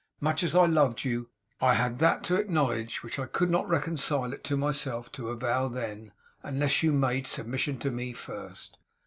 Much as I loved you, I had that to acknowledge which I could not reconcile it to myself to avow, then, unless you made submission to me first.